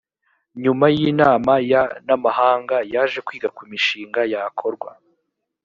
nyuma y inama ya n’amahanga yaje kwiga ku mishinga yakorwa